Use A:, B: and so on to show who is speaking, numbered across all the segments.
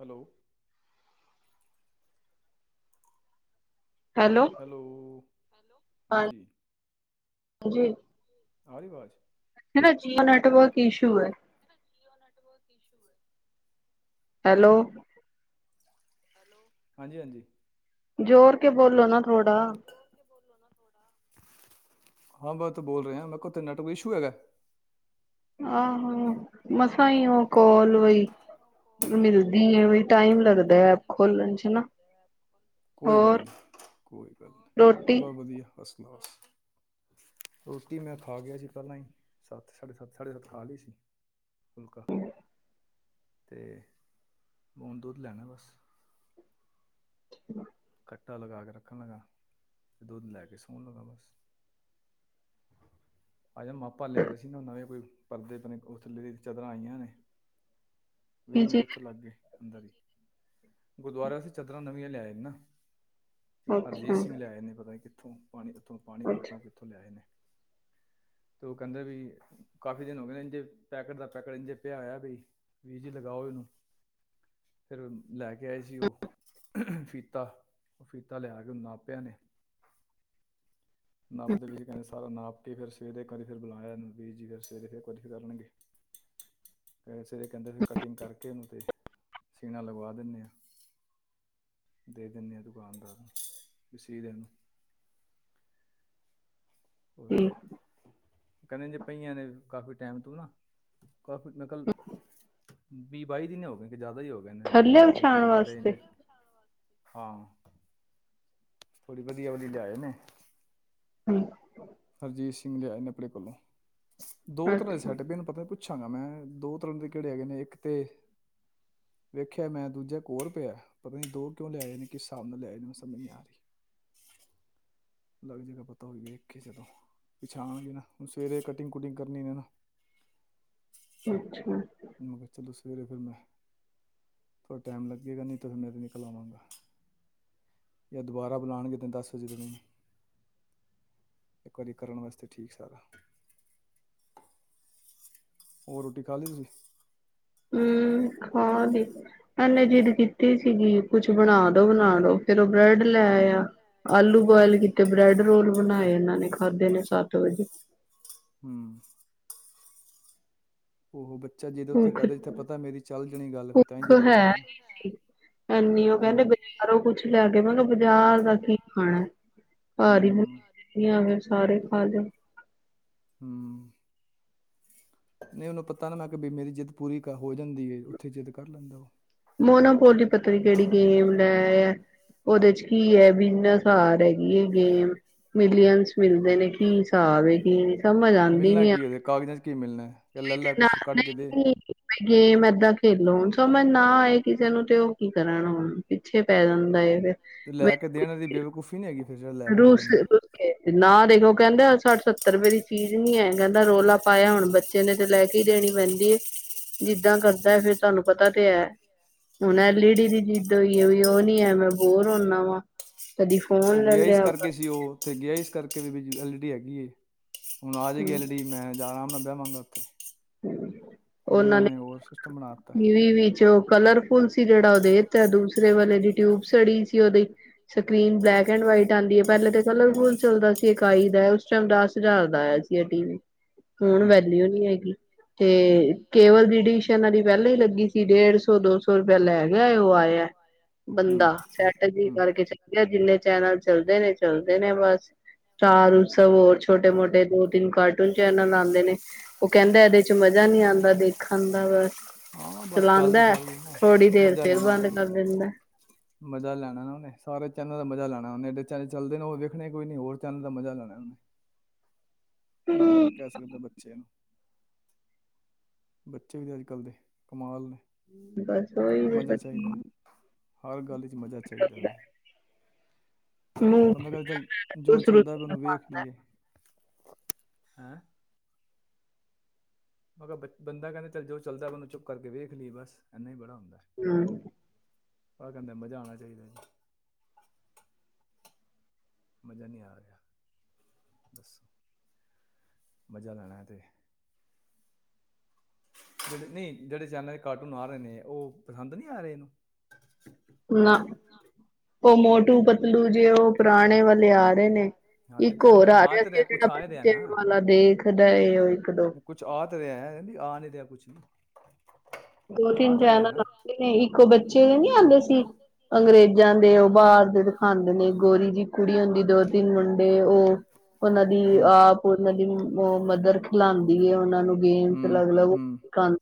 A: Hello. Hello ਹਾਂਜੀ।
B: ਾਂ ਜੀ।
A: ਆਾਰੀ ਬਾਜ਼
B: ਹਨ ਨਾ ਜੀਓ ਨੇੈਟਵਰਕ ਇਸ਼ੂ ਹੈ।
A: ੈਟਵਰ ਇਸ਼ੂ ਹੈ।
B: ਹੈਲੋ
A: ਹਾਂਜੀ ਹਾਂਜੀ।
B: ਜੋੋਰ ਕੇ ਬੋਲੋ ਨਾ। ਰੋਡਾ।
A: ਹਾਂ ਮੈਂ ਤੇ ਬੋਲ ਰਿਹਾ ਮੈਂ ਕੋਥ ਨੈਟਵਕ ਇਸ਼ੂ ਹੈਗਾ।
B: ਆਹੋ ਮਸ ਹੀ ਉਹ ਕਾਲ ਬ ਮਿਲਦੀ ਆ ਬ ਟਾਈਮ ਲੱਗਦਾ ਐਪ ਖੋਲਣ ਚ।
A: ਕੋਈ ਗੱਲ
B: ਹੋਰ
A: ਨਹੀਂ ਕੋਈ ਗੱਲ ਨਹੀਂੀ
B: ਰੋਟੀ
A: ਬਹੁਤ ਵਧੀਆ ਹੱਸ। ਰੋਟੀ ਮੈਂ ਖਾ ਗਿਆ ਸੀ ਪਹਿਲਾਂ ਹੀ ਸੱਤ ਸਾਡੇ ਸੱਤ ਸਾਡੇ ਸੱਤ ਖਾ ਲਈ ਸੀ ਫੁਲਕਾ ਤੇ ਮੂਣ ਦੁੱਧ ਲੈਣਾ ਬਸ। ਕੱਟਾ ਲਗਾ ਕੇ ਰੱਖਣ ਲੱਗਾ ਤੇ ਦੁੱਧ ਲੈ ਕੇ ਸੌਣ ਲੱਗਾ ਬਸ ਅਜ ਮਾਪਾ ਲਿਆ ਰਹੇ ਸੀ ਨਾ ਨਵੇਂ ਕੋਈ ਪਰਦੇਣੇ ਥੱਲੇ ਦੀ ਚਾਦਰਾਂ ਆਈਆਂ ਨੇ। ਵੀਹ
B: ਕੀ
A: ਮਿੰਟ
B: ਚੀਜ਼
A: ਉੱਥੇ ਲੱਗ ਗਏ ਅੰਦਰ ਹੀ। ਗੁਰਦੁਆਰੇ ਅਸੀਂ ਚਦਰਾਂ ਨਵੀਆਂ ਲਿਆ ਆ ਨੇ ਨਾ ਹਰਜੀਤ
B: ਅੱਛਾ
A: ਸਿੰਘ ਲਿਆਏ ਨੇ ਪਤਾ ਕਿਥ। ੱਠੋਂ। ਪਾਣੀ ਉੱਥੋਂ ਪਾਣੀ
B: ਅੱਛਾ
A: ਪੱਤੋਂ ਕਿੱਥੋਂ ਲਿਆਏ ਨੇ। ਤੇ ਉਹ ਕਹਿੰਦੇ ਵੀ ਕਾਫੀ ਦਿਨ ਹੋ ਕਹਿੰਦੇ ਇੰਜੇ ਪੈਕਟ ਦਾ ਪੈਕਟ ਇੰਜੇ ਪਿਆਇਆ ਬਈ ਵੀ ਜੀ ਲਗਾਓ ਇਹਨੂੰ ਫਿਰ ਲੈ ਕੇ ਆਏ ਸੀ ਉਹ ਫੀਤਾ ਉਹਫੀਤਾ ਲਿਆ ਕੇ ਨਾ ਆਪਿਆ ਨੇ ਨਪ ਦੇ ਵਿੱਚ ਕਹਿੰਦੇ ਸਾਰਾ ਨਪ ਕੇ ਫਿਰ ਸਵੇਰੇ ਇੱਕ ਵਾਰੀ ਫਿਰ ਬੁਲਾਇਆ ਇਹਨੂੰ ਬੀ ਜੀ ਫਿਰ ਸਵੇਰੇ ਫਿਰ ਵਾਰੀ ਫਿਰ ਕਰਨਗੇ ਫ ਸਵੇਰੇ ਕਹਿੰਦੇ ਕਟਿੰਗ ਕਰਕੇ ਇਹਨੂੰ ਤੇ ਸੀਣਾ ਲਗਵਾ ਦਿੰਦੇ ਹਾਂ ਦੇ ਦਿੰਦੇ ਹਾਂ ਦੁਕਾਨਦਾਰ ਨੂੰ ਵੀ ਸੀ ਦੇਣ ਨੂੰ ਹੋਕੇ
B: ਠੀਕ
A: ਕਹਿੰਦੇ ਜੇ ਪਈਆਂ ਨੇ ਕਾਫੀ ਟਾਈਮ ਤ ਨਾ ਕਾਫੀ ਮੇਕਲ ਵੀਹ ਬਾਈ ਦਿਨ ਹੋ ਗ ਜ਼ਿਆਦਾ ਹੀ ਹੋ ਕਹਿੰਦੇ
B: ਥੱਲੇ
A: ਲਿਆ ਕੇ ਇੱਥੇ
B: ਵਿਛਾਉਣ
A: ਗੁਰਦੁਆਰੇ
B: ਵਾਸਤੇ
A: ਇਦੇ ਹਾਂ ਥੋੜੀ ਵਧੀਆ ਵਧੀਆ ਲਿਆਏਨ ਨੇ।
B: ਹਮ।
A: ਹਰਜੀਤ ਸਿੰਘ ਲਿਆਏ ਨੇ ਆਪਣੇ ਕੋਲੋਂ। ਦੋ ਤਰ੍ਹਾਂ ਦੇ
B: ਅੱਛਾ
A: ਸੈਟ ਪਏ ਇਹਨੂੰ ਪਤਾ ਪੁੱਛ ਾਂਗਾ ਮੈਂ ਦੋ ਤਰਨ ਦੇ ਘੜੇ ਹੈਗੇਏ ਨੇ ਇੱਕ ਤੇ ਵੇਖਿਆ ਮੈਂ ਦੂਜਾ ਕੋਰ ਪਿਆ ਪਤਾ ਨ ਦੋ ਕਿਉਂ ਲੈ ਆਏ ਨੇ ਕਿਸ ਹਿਸਾਬ ਨਾਲ ਲੈ ਆਏ ਨੇ ਮੈਂ ਸਮਝ ਨ ਆ ਰਹੀ ਅਲੱਗ ਜਗ੍ਹਾ ਪਤਾ ਹੋਈ। ਚਲੋ ਪਿੱਛ ਆਗੇ ਨਾਣ ਸਵੇਰੇ ਕਟਿੰਗ ਕੁਟਿੰਗ ਕਰਨੀ
B: ਅੱਛਾ।
A: ਮੈਂ ਕਿਹਾ ਚਲੋ ਸਵੇਰੇ ਫਿਰ ਮੈਂ ਥੋੜ੍ਹਾ ਟਾਈਮ ਲੱਗੇਗਾ ਨਹੀਂਿਰ ਮੈਂ ਤਾਂ ਨਿਕਲ ਆਵਾਂਗਾ ਜਾਂ ਦੁਬਾਰਾ ਬੁਲਾਉਣਗੇਨੂੰ ਦਸ ਵਜੇ ਤੁਸੀ। ਇੱਕ ਵਾਰੀ ਕਰਨ ਵਾਸਤੇ ਠੀਕ ਸਾਰਾ। ਹੋਰ ਰੋਟੀ ਖਾ ਲਈ ਤੁਸੀਂ।
B: ਹਮ ਖਾ ਦੀ ਪੇ ਜਿੱਦ ਕੀਤੀ ਸੀਗੀ ਕੁਛ ਬਣਾ ਦੋ ਬਣਾ ਦੋ ਫੇਰ। ਬ੍ਰੈਡ ਲੈ
A: ਹੂੰ
B: ਆ ਆ ਆਲੂ ਬੁਆਇਲ ਕੀਤੇ ਬ੍ਰੈਡ ਰੋਲ ਬਣਾਏ ਇਹਨਾਂ ਨੇ ਖਾਧੇ ਨੇ ਸ ਜੀ।
A: ਹਮ। ਉਹ ਬੱਚਾ ਜਿੱਦ ਉੱਥੇ
B: ਭੁੱਖ
A: ਕਦੇ ਜਿੱਥੇ ਪਤਾ ਮੇਰੀ ਚੱਲ ਜਾਣੀ ਗੱਲ ਫਿਰ ਤਾਂ ਹੀ
B: ਭੁੱਖ
A: ਜਿੱਦ
B: ਹੈ
A: ਕਰਦਾ ਉਹ ਨਾ
B: ਨ ਸੀ ਐਨੀ ਉਹ
A: ਹੀ
B: ਕਹਿੰਦੇ
A: ਹੂੰ
B: ਬਜ਼ਾਰੋਂ ਕੁਛ ਲੈ ਕੇ ਮੈਨੂੰ ਬਾਜ਼ਾਰ ਦਾ ਕੀ ਖਾਣਾ ਭ ਹੀ ਬ
A: ਹੂੰ
B: ਆ ਸਾਰੇ ਖਾ ਲਓ
A: ਹਮ ਨਹੀਂ ਉਹਨੂੰ ਪਤਾ ਨਾ ਮੈਂ ਕਿਹਾ ਬਈ ਮੇਰੀ ਜਿੱਦ ਪੂਰੀ ਹੋ ਜਾਂਦੀ ਹੈ ਉੱਥੇ ਜਿੱਦ ਕਰ ਲੈਂਦਾ ਉਹ
B: ਮੋਨਾ ਪੋਲ ਦੀ ਪਤਾ ਨੀ ਕਿਹੜੀ ਗੇਮ ਲੈ ਆ ਉਹਦੇ ਚ ਕੀ ਹੈ ਬਿਜਨਸ ਆ ਰ ਹੈਗੀ ਇਹ ਗੇਮ ਮਿਲੀਅਨਸ ਮਿਲਦੇ ਨੇ ਕੀ ਹਿਸਾਬ ਕੀ ਸਮਝ ਆਉਂਦੀ
A: ਮਿਲਣਾ
B: ਨ ਆ
A: ਕੀ ਉਹਦੇ ਕਾਗਜ਼ਾਂ 'ਚ ਮਿਲਣਾ ਹੈ ਕਿ ਲੈ
B: ਕੋਈ ਤੇ
A: ਲੈ
B: ਨਾ
A: ਕੁਛ ਕੱਢ ਕੇ
B: ਨਹੀਂ ਗੇਮ ਏਦਾਂ ਖੇਲੋ ਸੋ ਮੈਂ ਨਾਏ ਕਿਸੇ ਨੂੰ ਤੇ ਉਹ ਕੀ ਕਰਨ ਹੁਣ ਪਿੱਛੇ ਪੈ ਜਾਂਦਾ ਫਿਰ
A: ਤੇ ਲੈ ਕੇ ਦੇਣ ਦੀ ਬੇਵਕੂਫ਼ੀ ਨਹੀਂੀ ਹੈਗੀ ਫਿਰ ਜਿਹੜਾ ਲੈ ਕੇ ਦੇ ਦਿੰਦਾ
B: ਰੂਸਸ ਨਾ ਦੇਖੋ ਕਹਿੰਦੇ ਸੱਠ ਸੱਤਰ ਰੁਪਏ ਦੀ ਚੀਜ਼ ਨੀ ਹੈ ਕਹਿੰਦਾ ਰੌਲਾ ਪਾਇਆ ਹੁਣ ਬੱਚੇ ਨੇ ਤੇ ਲੈ ਕੇ ਹੀ ਦੇਣੀ ਪੈਂਦੀ ਹੈ ਜਿੱਦਾਂ ਕਰਦਾ ਫਿਰ ਤੁਹਾਨੂੰ ਪਤਾ ਤੇ ਹੈ ਹੁਣ ਐਲਈ ਡੀ ਦੀ ਜਿੱਦ ਹੋਈ ਹੈ ਉਹ ਨੀ ਹੈ ਮੈਂ ਬੋਰ ਹੁੰਦਾ ਵਾ ਕਦੀ
A: ਵਾਂ।
B: ਫੋਨ
A: ਉਹ
B: ਲੈ
A: ਗਿਆ ਇਸ ਕਰਕੇ ਸੀ ਉਹ ਉੱਥੇ ਗਿਆ ਇਸ ਕਰਕੇ ਵੀ ਐਲ ਡੀ ਹੈਗੀ ਏ ਹੁਣ ਆਜ
B: ਹਮ,
A: ਗਲਡੀ ਮੈਂ ਜਾਣਾਮ ਲੱਭਿਆ [unintelligible] ਹੁਣ ਇਹਨਾਂ ਨੇ ਹੋਰ ਸਿਸਟਮ ਬਣਾ ਦਿੱਤਾ
B: ਇਹ ਵੀ ਵੀ ਚੋ ਕਲਰਫੁਲ ਸੀ ਜਿਹੜਾ ਉਹਦੇ ਤੇ ਦੂਸਰੇ ਵਾਲੇ ਦੀ ਟਿਊਬ ਸੜੀ ਸੀ ਉਹਦੀ ਸਕਰੀਨ ਬਲੈਕ ਐਂਡ ਵਾਈਟ ਆਉਂਦੀ ਹੈ ਪਹਿਲੇ ਤੇ ਕਲਰਫੁਲ ਚੱਲਦਾ ਸੀ ਇਕਾਈ ਦਾ ਉਸ ਟਾਈਮ ਦਸ ਹਜ਼ਾਰ ਦਾ ਆਇਆ ਸੀ ਟੀ ਵੀ ਹੁਣ
A: ਹੂੰ
B: ਵੈਲਿਊ ਨੀ ਹੈਗੀ ਤੇ ਕੇਵਲ ਰਿਡੀਸ਼ਨ ਦੀ ਪਹਿਲਾਂ ਹੀ ਲੱਗੀ ਸੀ ਡੇਢ ਸੋ ਦੋ ਸੋ ਰੁਪਆ ਲੈ ਗਿਆ ਉਹ ਆਇਆ
A: ਹੂੰ
B: ਬੰਦਾ ਸੈਟਜੀ
A: ਹਮ।
B: ਕਰਕੇ ਚ ਗਿਆ ਜਿੰਨੇ ਚੈਨਲ ਚੱਲਦੇ ਨੇ ਚਲਦੇ ਨੇ ਬਸ ਸਟਾਰ ਉਸਵ ਹੋਰ ਛੋਟੇ ਮੋਟੇ ਦੋ ਤਿੰਨ ਕਾਰਟੂਨ ਚੈਨਲ ਆਉਂਦੇ ਨੇ ਉਹ ਕਹਿੰਦਾ ਇਹਦੇ ਚ ਮਜਾ ਨਹੀਂੀ ਆਉਂਦਾ ਦੇਖਣ ਦਾ ਬਸ
A: ਹਾਂ ਬਸ ਗੱਲ ਤੇ
B: ਚਲਾਉਂਦਾ ਹੈ
A: ਸਾਰੀ
B: ਥੋੜ੍ਹੀ ਦੇਰ
A: ਮਜਾ
B: ਫੇਰ
A: ਲੈਣਾ
B: ਬੰਦ
A: ਉਹਨੇ
B: ਕਰ ਦਿੰਦਾ
A: ਮਜਾ ਲੈਣਾ ਨਾ ਉਹਨੇ ਸਾਰੇ ਚੇਨਲ ਦਾ ਮਜਾ ਲੈਣਾ ੇ ਐਡੇ ਚ ਚੱਲਦੇ ਨੇ ਉਹ ਵੇਖਣੇ ਕੋਈ ਨੀ ਹੋਰ ਚੱਲ ਦਾ ਮਜ਼ਾ ਲੈਣਾ ਉਹਨੇ [unintelligible] ਕੀ ਬੰਦਾ ਕਹਿ ਸਕਦੇ ਬੱਚੇ ਨੂੰ ਬੱਚੇ ਵੀ ਤੇ ਅੱਜ ਕੱਲ੍ਹ ਦੇ ਕਮਾਲ ਨੇ
B: ਬਸ
A: ਮਜ਼ਾ
B: ਹੀ
A: ਚਾਹੀਦਾ ਹਰ ਗੱਲ 'ਚ ਮਜ਼ਾ ਚਾਹੀਦਾ ਬਈ
B: [unintelligible]
A: ਬੰਦਾ ਕਹਿੰਦਾ ਚਲ ਜੋ
B: ਰੁਸ ਰੁਸ
A: ਚੱਲਦਾ ਵੀ
B: ਕੇ
A: ਉਹਨੂੰ ਵੇਖ
B: ਖਾਂਦਾ
A: ਲਈਏ ਹੈਂ ਮੈਂ ਕਿਹਾ ਬੰਦਾ ਕਹਿੰਦਾ ਚਲ ਜੋ ਚੱਲਦਾ ਓਹਨੂੰ ਚੁੱਪ ਕਰਕੇ ਵੇਖ ਲਈਏ ਬਸ ਇੰਨਾ ਹੀ ਬੜਾ ਹੁੰਦਾ
B: ਹਮ
A: ਆਹ ਕਹਿੰਦੇ ਮਜ਼ਾ ਆਉਣਾ ਚਾਹੀਦਾ ਜੀ ਮਜ਼ਾ ਨੀ ਆ ਰਿਹਾ ਦੱਸੋ ਮਜਾ ਲੈਣਾ ਤੇ ਜਿਹੜੇ ਨਹੀਂ ਜਿਹੜੇ ਚੈਨਲ ਦੇ ਕਾਰਟੂਨ ਆ ਰਹੇ ਨੇ ਉਹ ਪਸੰਦ ਨਹੀਂ ਆ ਰਹੇ ਇਹਨੂੰ
B: ਨਾ ਉਹ ਮੋਟੂ ਪਤਲੂ ਜੇ ਉਹ ਪੁਰਾਣੇ ਵਾਲੇ ਆ ਰਹੇ ਨੇ
A: ਹਾਂ ਤੇ
B: ਇੱਕ ਹੋਰ
A: ਚੈਨਲ
B: ਆ
A: ਨਾ
B: ਰਿਹਾ
A: ਤੇ
B: ਸੀ ਜਿਹੜਾ
A: ਕੁਛ ਆ ਹੀ ਰਿਹਾ ਨਾ
B: ਬਚਿਆਂ ਵਾਲਾ ਦੇਖਦਾ ਉਹ ਇੱਕ ਦੋ
A: ਏ ਆ ਤੇ ਰਿਹਾ ਹੈ ਨਹੀਂ ਆ ਰਿਹਾ ਕੁਛ ਨਹੀਂ [unintelligible]
B: ਦੋ
A: ਆ
B: ਤਿੰਨ
A: ਧਰਿਆ
B: ਚੈਨਲ
A: ਨਾ
B: ਲੱਗਦੇ ਨੇ ਇੱਕੋ ਬੱਚੇ ਨੀ ਆਉਂਦੇ ਸੀ ਅੰਗਰੇਜ਼ਾਂ ਦੇ ਉਹ ਬ ਦਿਖਾਉਂਦੇ ਨੇ ਗੋਰੀ ਜਿਹੀ ਕੁੜੀ ਹੁੰਦੀ ਦੋ ਤਿੰਨ ਮੁੰਡੇ ਉਹ ਉਹਨਾਂ ਦੀ ਆਪ
A: ਹੂੰ
B: ਉਹਨਾਂ ਦੀ ਮਦਰ ਲਉਂਦੀ ਉਹਨਾਂ ਨੂੰ [unintelligible] ਗੇਮਸ
A: ਹੂੰ
B: ਅਲੱਗ ਅਲਗ
A: ਹੂੰ
B: ਖ [unintelligible]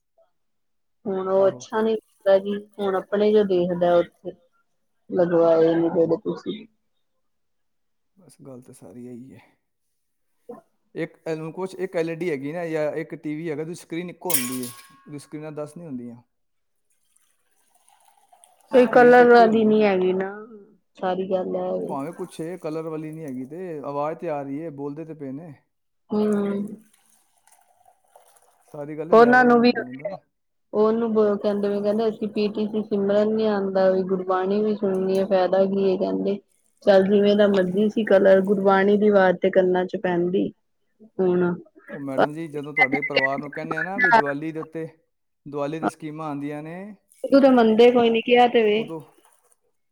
B: ਹੁਣ ਉਹ
A: ਆਹੋ
B: ਅੱਛਾ ਨੀ ਲੱਗਦਾ ਜੀ ਹੁਣ ਆਪਣੇ ਜੋ ਦੇਖਦਾ ਉੱਥੇ ਲਗਵਾਏ ਨ ਜੜ ਤੁਸੀਂ [unintelligible]
A: ਬਸ ਗੱਲ ਤਾਂ ਸਾਰੀ ਆਹੀ ਹੈ ਇੱਕ ਇੱਕ ਐਲ ਈ ਡੀ ਹੈਗੀ ਨਾ ਜਾਂ ਇੱਕ ਟੀ ਵੀ ਹੈਗਾ ਉਹਦੀ ਸਕਰੀਨ ਇੱਕੋ ਹੁੰਦੀ ਹੈ ਉਹਦੀ ਸਕਰੀਨਾਂ ਦੱਸ ਨਹੀ ਹੁੰਦੀਆਂ
B: ਕੋਈ
A: ਸਕਰੀਨ ਤੇ
B: ਕਲਰ
A: ਇੱਕੋ ਹੀ
B: ਵਾਲ ਦੀ
A: ਹੁੰਦੀ
B: ਨੀ ਹੈਗੀ ਨਾ [unintelligible] ਗੱਲ ਹੈ
A: ਉਹ ਭਾਵੇਂ ਕੁੱਛ ਕਲਰ ਵਾਲੀ ਨੀ ਹੈਗੀ ਤੇ ਆਵਾਜ਼ ਤੇ ਆ ਰਹੀ ਹੈ ਬੋਲਦੇ ਤੇ ਪਏ ਨੇ
B: ਹਮ
A: ਸਾਰੀ ਗੱਲ
B: ਉਹਨਾਂ
A: ਲੈਵਲ
B: ਨੂੰ ਵੀ
A: ਲਦਾ ਨਾ [unintelligible]
B: ਉਹਨੂੰ ਕਹਿੰਦੇ ਕਹਿੰਦੇ ਅਸੀਂ ਪੀ ਟੀ ਸੀ ਸਿਮਰਨ ਨੀ ਆਉਂਦਾ ਗੁਰਬਾਣੀ ਵੀ ਸੁਣਨੀ ਫਾਇਦਾ ਕੀ ਇਹ ਕਹਿੰਦੇ ਚੱਲ ਜਿਵੇਂ ਦਾ ਮਰਜੀ ਸੀ ਕਲਰ ਗੁਰਬਾਣੀ ਦੀ ਆਵਾਜ਼ ਤੇ ਕੰਨਾ ਚ ਪੈਂਦੀ ਹੁਣ
A: ਉਹ ਮੈਡਮ ਜੀ ਜਦੋਂ ਤੁਹਾਡੇ ਪਰਿਵਾਰ ਨੂੰ ਕਹਿੰਦੇ ਆ ਵੀ ਦੀਵਾਲੀ ਦੇ ਉੱਤੇ ਦੀਵਾਲੀ ਤੇ ਸਕੀਮਾਂ ਆਉਂਦੀਆਂ ਨੇ
B: ਤੂੰ ਤਾਂ ਮੰਨਦੇ ਕੋਈ ਨੀ ਕਿਹਾ ਤੇ ਵੇ
A: ਉਦੋਂ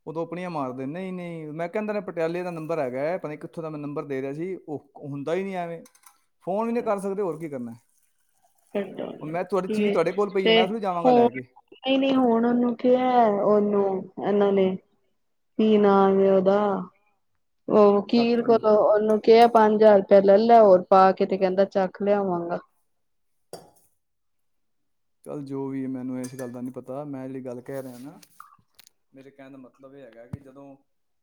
A: ਉਦੋਂ ਆਪਣੀਆਂ ਮਾਰਦਾ ਨਹੀਂ ਨਹੀਂ ਮੈਂ ਕਹਿੰਦਾ ਨੇ ਪਟਿਆਲੇ ਦਾ ਨੰਬਰ ਹੈਗਾ ਪਤਾ ਕਿੱਥੋਂ ਦਾ ਮੈਂ ਨੰਬਰ ਦੇ ਰਿਹਾ ਸੀ ਉਹ ਹੁੰਦਾ ਹੀ ਨਹੀਂ ਐਵੇਂ ਫ਼ੋਨ ਵੀ ਨਹੀਂ ਕਰ ਸਕਦੇ ਹੋਰ ਕੀ ਕਰਨਾ
B: ਦ
A: ਹੁਣ ਮੈਂ ਤੁਹਾਡੀ ਚੀਜ਼ ਤੁਹਾਡੇ ਕੋਲ ਪਈ
B: ਤੇ
A: ਮੈਂ ਥੋੜੀ ਜਾਵਾਂਗਾ
B: ਹੁਣ
A: ਲੈ ਕੇ
B: ਹੀ ਨ ਹੁਣ ਉਹਨੂੰ ਕਿਹਾ ਉਹਨੂੰ ਇਹਨਾਂ ਨੇ ਤ ਨਾਜਦਾ ਉਹ ਕੀਰ
A: ਡਾਕਟਰ ਨੂੰ
B: ਕਰੋ ਉਹਨੂੰ ਕਿਹਾ ਪੰਜ ਜਾ ਫ ਲੈ ਲੈ ਹੋਰ ਪਾ ਕੇ ਤੇ ਕਹਿੰਦਾ ਚੱਕ ਲਿਆਵਾਂਗਾ
A: ਚੱਲ ਜੋ ਵੀ ਮੈਨੂੰ ਇਸ ਗੱਲ ਦਾ ਨੀ ਪਤਾ ਮੈਂ ਜਿਹੜੀ ਗੱਲ ਕਹਿ ਰਿਹਾ ਨਾ ਮੇਰੇ ਕਹਿਣ ਦਾ ਮਤਲਬ ਇਹ ਹੈਗਾ ਕਿ ਜਦੋਂ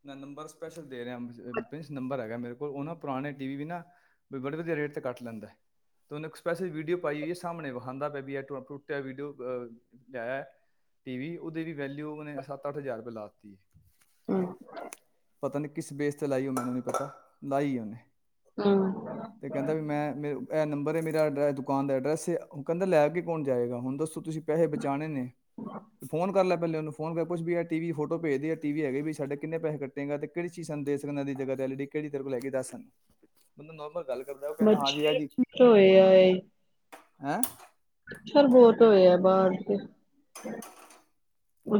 A: ਮੈਂ ਨੰਬਰ ਸਪੈਸ਼ਲ ਦੇ ਰਿਹਾਿੰ ਨੰਬਰ ਹੈਗਾ ਮੇਰੇ ਕੋਲ ਉਹ ਨਾ ਪੁਰਾਣੇ ਟੀ ਵੀ ਵੀ ਨਾ ਬੜੇ ਵਧੀਆ ਰੇਟ ਤੇ ਕੱਟ ਲੈਂਦਾ ਹੈ ਤੇ ਉਹਨੂੰ ਇੱਕ ਸਪੈਸ਼ਲ ਵੀਡੀਓ ਪਾਈਈ ਸਾਹਮਣੇ ਵਿਖਾਉਂਦਾ ਪ ਟੱਟਿਆ ਵੀਡੀਓ ਅਹ ਲਿਆ ਟੀ ਵੀ ਉਹਦੇ ਵੀ ਵੈਲਿਊ ਉਹਨੇ ਸੱਤ ਅੱਠ ਹਜ਼ਾਰ ਰੁਪਏ ਲਾ ਦਿੱਤੀ
B: ਹਮ
A: ਪਤਾ ਨੀ ਕਿਸ ਬੇਸ ਤੇ ਲਾਈ ਉਹ ਮੈਨੂੰ ਨੀ ਪਤਾ, ਲਾਈ ਉਹਨੇ
B: ਹਮ
A: ਤੇ ਕਹਿੰਦਾ ਵੀ ਮੈਂ ਮੇ ਇਹ ਨੰਬਰ ਪਰ ਏ ਮੇਰਾ ਐੈਡ ਦੁਕਾਨ ਦਾ ਐਡਰੈਸ ਏ ਕਹਿੰਦਾ ਲੈ ਕੇ ਕੌਣ ਜਾਏਗਾ ਹੁਣ ਦੱਸੋ ਤੁਸੀ ਪੈਸੇ ਬਚਾਉਣੇ ਨੇ ਫੋਨ ਕਰ ਲੈ ਪਹਿਲੇ ਉਹਨੂੰ ਫੋਨ ਕਰ ਪੁਛ ਵੀ ਏ ਟੀ ਵੀ ਫੋਟੋ ਭੇਜਦਿਆ ਟੀ ਵੀ ਹੈਗਾ ਵੀ ਸਾਡੇ ਕਿਨੇ ਪੈੇਹੇ ਕੱਟੇਗਾ ਤੇ ਕਿੜੀ ਚੀਜ਼ ਸਾਨੂੰ ਦੇ ਸਕਨਾ ਐਦੀ ਜਗ੍ਹਾ ਤੇ ਐਲ ਡੀ ਕਿਹੜੀ ਤੇਰੇ ਕੋਲ ਹੈਗੀ ਦੱਸ, ਉਹਨੂੰ ਨੋਰਮਲ ਗਲ
B: [unintelligible]
A: ਹੈਂ
B: ਮੱਛਰ ਬਹੁਤ ਹੋਏ ਆ ਬਾਹਰ ਤੇ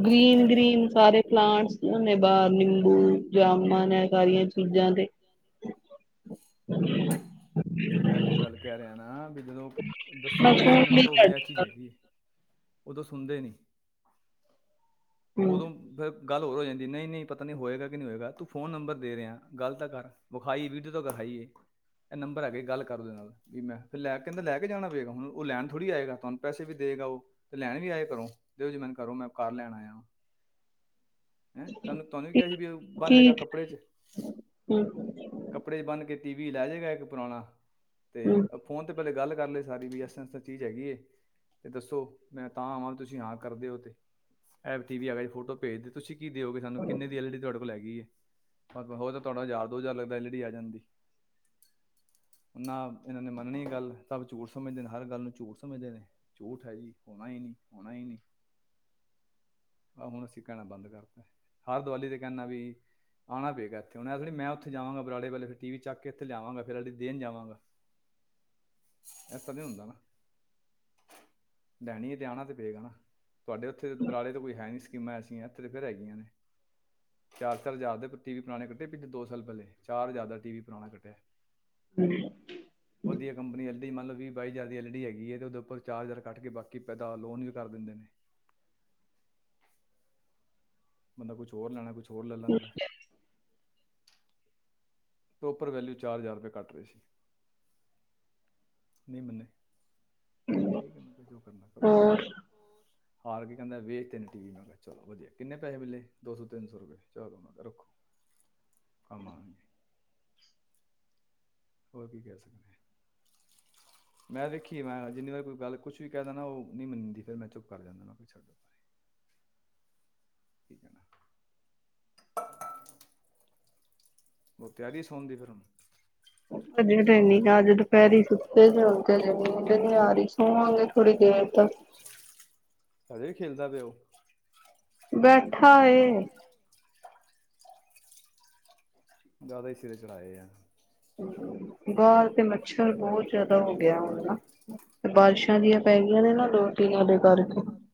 B: ਗ੍ਰੀਨ ਗ੍ਰੀਨ ਸਾਰੇ [unintelligible] [unintelligible]
A: ਨਹੀ ਮੈਂ ਜਿਹੜੀ ਗੱਲ ਕਹਿ ਰਿਹਾ ਨਾ ਵੀ [unintelligible]
B: ਮਸ਼ਰੂਮ ਵੀ ਸਾਡੀ
A: ਉਦੋ ਸੁਣਦੇ ਨੀ।
B: ਹੂੰ
A: ਉਦੋਂ ਫਿਰ ਗੱਲ ਹੋਰ ਹੋ ਜਾਂਦੀ ਨਹੀਂ-ਨਹੀਂ ਪਤਾ ਨਇ ਹੋਏਗਾ ਕਿ ਨਹੀ ਹੋਏਗਾ ਤੂੰ ਫੋਨ ਨੰਬਰ ਦੇ ਰਿਹਾ ਗੱਲ ਤਾਂ ਕਰ ਵਿਖਾਈ ਵੀਡੀਓ ਤੋਂ ਵਿਖਾਈਏ ਇਹ ਨੰਬਰ ਭਰ ਹੈਗਾ ਗੱਲ ਕਰ ੳਦੇ ਨਾਲ ਵੀ ਮੈਂ ਫਿਰ ਲੈ ਕਹਿੰਦਾ ਲੈ ਕੇ ਜਾਣਾ ਪਏਗਾ ਹੁਣ ਉਹ ਲੈਣ ਥੋੜ੍ਹੀ ਆਏਗਾ ਤੁਹਾਨੂੰ ਪੈਸੇ ਵੀ ਦੇਗਾ ਉਹ, ਤੇ ਲੈਣ ਵੀ ਆਏ ਕਰੋ ਦਿਓ ਜੇ ਮੈਨੂੰ ਕਰੋ ਮੈਂ ਘਰ ਲੈਣ ਆਇਆ ਵ ਹੈਂ ਤੁਹਾਨੂੰ-ਤੁਹਾਨੂੰ ਵੀ ਕਿਹਾ ਸੀ ਵੀ ਉਹ ਬੰਨ ਲਏਗਾ
B: ਠੀਕ
A: ਕੱਪੜੇ ਚ
B: ਹੂੰ
A: ਕੱਪੜੇ ਚ ਬੰਨ ਕੇ ਟੀ-ਵੀ ਲਾ ਜੇਗਾ ਇੱਕ ਪੁਰਾਣਾ।
B: ਹੂੰ
A: ਤੇ ਫੋਨ ਤੇ ਪਹਿਲੇ ਗੱਲ ਕਰ ਲਏ ਸਾਰੀ ਵੀ ਇਸ ਤਰ੍ਹਾਂ ਇਸ ਤਰ੍ਹਾਂ ਚੀਜ਼ ਹੈਗੀ ਹੈ, ਤੇ ਦੱਸੋ ਮੈਂ ਤਾਂ ਆਵਾਂ ਵੀ ਤੁਸੀ ਹਾਂ ਕਰਦੇ ਹੋ ਤੇ, ਇਹ ਟੀ ਵੀ ਹੈਗਾ ਫੋਟੋ ਭੇਜਦੇ ਤੁਸੀ ਕੀ ਦਿਓਗੇ ਸਾਨੂੰੰ ਕਿਨੇ ਦੀ ਐਲਿਡੀ ਤੁਹਾਡੇ ਕੋਲ ਹੈਗੀ ਹੈ ਹੋ ਤਾਂ ਤੁਹਾਡਾ ਯਜ਼ਾਰ ਦੋ ਯਜਾ਼ਰ ਲੱਗਦਾ ਐਲਿਡੀ ਆ ਜਾਂਦੀ। ਨਾ ਇਹਨਾ ਨੇ ਮੰਨਣੀ ਗੱਲ ਸਭ ਝੂਠ ਸਮਝਦੇ ਨੇ ਹਰ ਗੱਲ ਨੂੰ ਝੂਠ ਸਮਝਦੇ ਨੇ, ਝੂਠ ਹੈ ਜੀ ਹੋਣਾ ਹੀ ਨਹੀ ਹੋਣਾ ਹੀ ਨਹੀ, ਆਹ ਹੁਣ ਅਸੀਂ ਕਹਿਣਾ ਬੰਦ ਕਰਤਾ। ਹਰ ਦੀਵਾਲੀ ਤੇ ਕਹਿਣਾ ਵੀ ਆਉਣਾ ਪਏ ਗਿਆ ਇੱਥੇ ਹੁਣ ਇਹ ਥੋੜੀ ਮੈਂ ਉੱਥੇ ਜਾਵਾਂਗਾ ਬਰਾਲੇ ਵੇਲੇ ਫਿਰ ਟੀ-ਵੀ ਚੱਕ ਕੇ ਇੱਥੇ ਲਿਆਵਾਂਗਾ ਫੇਰ ਅਲੀ ਦੇਣ ਜਾਵਾਂਗਾ, ਐਸਾ ਨ ਹੁੰਦਾ ਨਾ ਲੈਣੀ ਤੇ ਆਣਾ ਤੇ ਪਏਗਾ ਨਾ। ਤੁਹਾਡੇ ਉੱਥੇ ਬਰਾੜੇ ਤੇ ਕੋਈ ਹੈ ਨਹੀਂ ਸੀ। ਸਕੀਮਾਂ ਐਸੀਆਂ ਇੱਥੇ ਤੇ ਫਿਰ ਹੈਗੀਆਂ ਨੇ ਚਾਰ-ਚਾਰ ਹਜ਼ਾਰ ਦੇ ਟੀ-ਵੀ ਪੁਰਾਣੇ ਕੱਡੇ ਪਿਛਲੇ ਦੋ ਸਾਲ ਪਹਿਲੇ ਚਾਰ ਹਜ਼ਾਰ ਦਾ ਟੀ-ਵੀ ਪੁਰਾਣਾ ਕੱਡਿਆ। ਵਧੀਆ ਕੰਪਨੀ ਵਾਲੀ ਮਤਲਬ ਵੀਹ ਬਾਈ ਹਜ਼ਾਰ ਦੀ ਐਲ ਡੀ ਹੈਗੀ ਹੈ ਤੇ ਉਹਦੇ ਉੱਪਰ ਚਾਰ ਹਜ਼ਾਰ ਕੱਟ ਕੇ ਬਾਕੀ ਪੈਦਾ ਲੋਨ ਵੀ ਕਰ ਦਿੰਦੇ ਨੇ। ਬੰਦਾ ਕੁਛ ਹੋਰ ਲੈਣਾ ਕੁਛ ਹੋਰ ਲੈ ਲੈਂਦਾ। ਟੋਪਰ ਵੈਲਊ ਚਾਰ ਹਜ਼ਾਰ ਰੁਪਏ ਕੱਟ ਰਹੇ ਸੀ, ਨਹੀਂ ਮੰਨੇ ਠੀਕ ਹੈ ਮੈਂ ਕਰ
B: ਹੋਰ।
A: ਹਾਰ ਕੇ ਕਹਿੰਦਾ ਵੇਚ ਨੇ ਟੀ ਵੀ ਮੈਂ ਕਿਹਾ ਚਲੋ ਵਧੀਆ ਕਿੰਨੇ ਪੈਸੇ ਮਿਲੇ ਦੋ ਸੌ ਤਿੰਨ ਸੌ ਰੁਪਏ ਚਲੋ ਮੈਂ ਕਿਹਾ ਰੱਖੋ ਕੰਮ ਆਣਗੇ। ਹੋਰ ਕੀ ਕਹਿ ਸਕਦੇ, ਮੈਂ ਦੇੇਖੀ ਮੈਂ ਜਿੰਨੀ ਵਾਰ ਕੋਈ ਗੱਲ ਕੁਛ ਵੀ ਕਹਿ ਦਿੰਦਾ ਉਹ ਨਹੀਂ ਮੰਨਦੀ ਫੇਰ ਮੈਂ ਚੁੱਪ ਕਰ ਜਾਂਦਾ ਨਾ ਕੋ ਛੱਡੋ। [inaudible] ਬਹੁ ਤਿਆਰੀ ਸੋਣ ਦੀ ਫਿਰ ਹੁਣ
B: ਹਜੇ ਦੇ ਨ ਅੱਜ ਦੁਪਹਿਰੀ ਸੁੱਤੇ ਜਾਗੇ ਹਜੇ ਨ ਆ ਰਹੀ ਸੋਵਾਂਗੇ ਥੋੜ੍ਹੀ ਦੇਰ ਤਾਂ
A: ਕਰੇ ਖੇਲਦਾ ਪਿਆ ਉਹ
B: ਬੈਠਾ
A: ਜ਼ਿਆਦਾ ਹੀ ਸਿਰੇ ਚੜ੍ਹਾਏ ਆ
B: ਗਾਲ ਤੇ ਮੱਛਰ ਬਹੁਤ ਜਿਆਦਾ ਹੋ ਗਿਆ ਹ ਨਾ ਜਿਹੀਆਂ
A: ਬਾਰਿਸ਼ਾਂ ਦੀ
B: ਗਈਆਂ ਨੇ
A: ਪੈ
B: ਨਾ ਦੋ
A: ਗਆਂ
B: ਤਿੰਨ ਉਹਦੇ ਕਰਕੇ
A: ਨੇ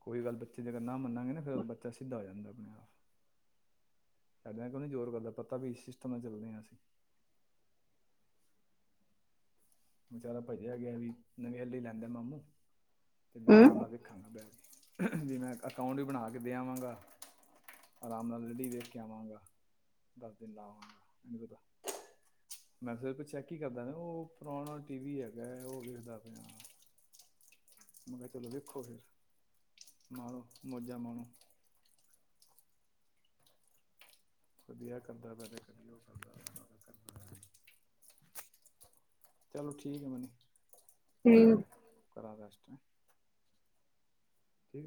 A: ਕੋਈ ਗੱਲ ਬੱਚੇ ਦੇ ਕਰਨਾ ਮੰਨਗੇ ਨਾ ਫੇਿਰ ਬੱਚਾ ਸਿੱਧਾ ਆ ਜਾਂਦਾ ਆਪਣੇ ਆਪ ਛੱਡਿਆਂ ਕਿ ਨ ਜ਼ੋਰ ਕਰਦਾ ਪਤਾ ਵੀ ਇਸ ਸਿਸਟਮ ਨਾਲ ਚੱਲਦੇ ਹਾਂ ਅਸੀਂ ਵਿਚਾਰਾ ਭੱਜਿਆ ਗਿਆ ਵੀ ਨਵਂ ਹਲੀ ਲੈਂਦਾ ਮਾਮੂ ਤੇ ਮੈਂ ਆਰਾਮ
B: ਹੂੰ
A: ਨਾਲ ਦੇਖਾਂਗਾ ਬਹਿ ਜ ਮੈਂ ਅਕਾਊਂਟ ਵੀ ਬਣਾ ਕੇ ਦੇ ਆਵਾਂਗਾ ਆਰਾਮ ਨਾਲ ਲਡੀ ਦੇੇਖ ਕੇ ਆਵਾਂਗਾ ਦਸ ਦਿਨ ਲਾਵਾਂਗਾ ਪਤਾ ਮੈਂ ਫਿਰ ਕੋ ਚੈੱਕ ਹੀ ਕਰਦਾ ਉਹ ਪੁਰਾਣਾ ਟੀ ਵੀ ਹੈਗਾ ਹੈ ਉਹ ਲਿਖਦਾ ਪਿਆ ਮੈਂ ਕਿਹਾ ਚਲੋ ਵੇਖੋ ਫਿਰ ਮਾਰੋ ਮੌਜਾਂ ਮਣੋ ਵਧੀਆ ਕਰਦਾ ਚਲੋ ਠੀਕ ਆ ਮਨੀ
B: ਠੀਕ
A: ਕਰ ਦਾਸ ਠੀਕ